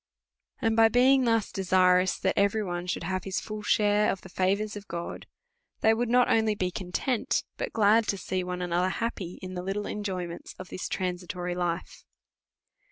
And by being thus desirous, that every one should have their full share of the favours of God, they would not only be content, but glad to see one another happy in the little enjoyments of this transi tory life.